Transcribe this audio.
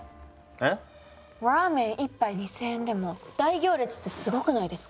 ＲＡＭＥＮ１杯２，０００円でも大行列ってすごくないですか？